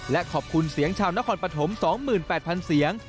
และขอบคุณเสียงชาวนครปฐม๒๘๐๐๐เสียง